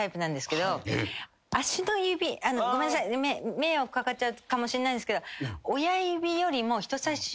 迷惑掛かっちゃうかもしれないんですけど。